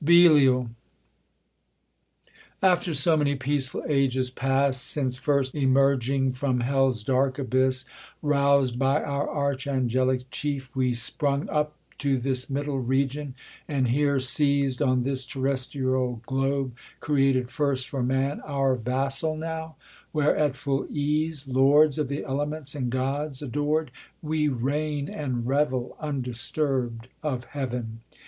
Belial, After so many peaceful ages past Since first emerging from hell's dark abyss, Rous'd by our arch angelic cliief, wc sprung Up to this middle region, and here seiz'd On this terrestrial globe, created first For man, our vassal now, where, at full ease. Lords of the elements and gods ador'd. We reign and revel undisturb'd of Heav'n.